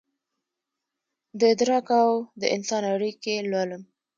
دادراک اودانسان اړیکې لولم